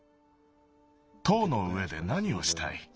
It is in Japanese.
塔の上でなにをしたい？